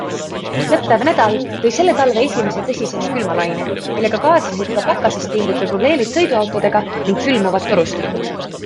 Lõppev nädal tõi selle talve esimese tõsisema külmalaine, millega kaasnesid ka pakasest tingitud probleemid sõiduautodega ning külmuvad torustikud.